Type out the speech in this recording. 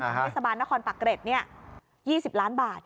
ของพฤษบาลนครปักเกร็ดนี่๒๐ล้านบาท